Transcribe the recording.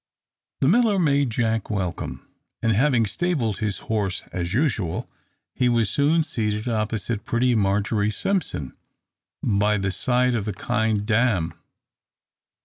The miller made Jack welcome; and, having stabled his horse as usual, he was soon seated opposite pretty Margery Simpson, by the side of the kind dame.